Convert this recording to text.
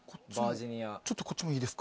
ちょっとこっちもいいですか？